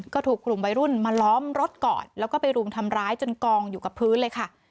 ก็ถูกกลุ่มวัยรุ่นมาล้อมรถก่อนแล้วก็ไปรุมทำร้ายจนกองอยู่กับพื้นเลยค่ะ